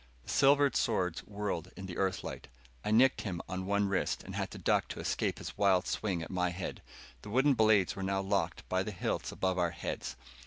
The silvered swords whirled in the Earth light. I nicked him on one wrist, and had to duck to escape his wild swing at my head. The wooden blades were now locked by the hilts above our heads.